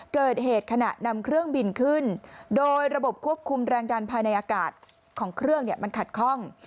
เกิดเหตุขณะนำเครื่องบินขึ้นโดยระบบควบคุมแรงดันภายในอากาศของเครื่องมันขัดข้อง